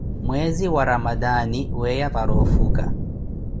Mweezi wa ramadani weeya para ofuka.